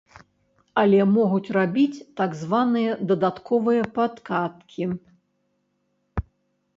Але могуць рабіць так званыя дадатковыя падкаткі.